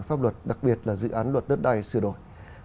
pháp luật đặc biệt là dự án luật đất đai sửa đổi